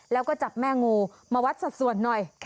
แล้วก็จับแม่งูมาวัดสัดส่วนหน่อย